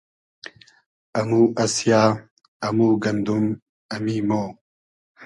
امو اسیۂ ، امو گئندوم ، امی مۉ